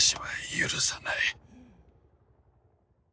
許さない！